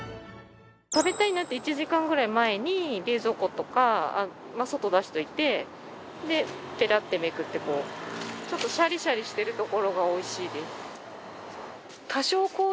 食べたいなって１時間ぐらい前に冷蔵庫とかまあ外出しておいてペラッてめくってこうちょっとシャリシャリしてるところがおいしいです。